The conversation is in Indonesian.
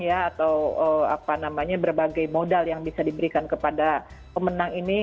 atau berbagai modal yang bisa diberikan kepada pemenang ini